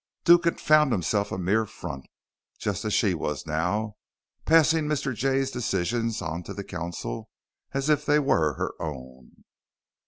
Duke had found himself a mere front just as she was now, passing Mr. Jay's decisions on to the council as if they were her own.